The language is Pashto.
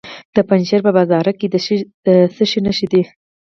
د پنجشیر په بازارک کې د څه شي نښې دي؟